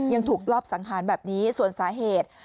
ยังถูกรอบสังหารแบบนี้ส่วนสาเหตุ